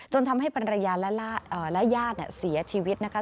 ทำให้ภรรยาและญาติเสียชีวิตนะคะ